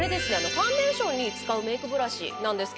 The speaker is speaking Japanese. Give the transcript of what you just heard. ファンデーションに使うメークブラシなんですけれども。